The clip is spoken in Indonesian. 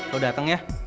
lo dateng ya